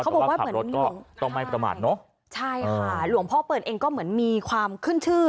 บอกว่าเหมือนก็ต้องไม่ประมาทเนอะใช่ค่ะหลวงพ่อเปิลเองก็เหมือนมีความขึ้นชื่อ